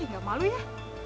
gak malu ya